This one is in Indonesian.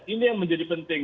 ini yang menjadi penting